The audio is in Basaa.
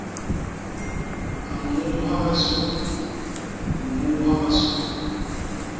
A ñuwha me su, di ñuwha masu.